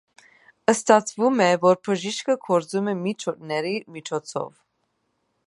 Ստացվում է, որ բժիշկը գործում է միջնորդների միջոցով։